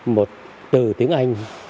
một từ tiếng anh